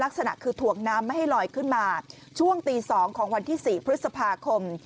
ลักษณะคือถ่วงน้ำไม่ให้ลอยขึ้นมาช่วงตี๒ของวันที่๔พฤษภาคม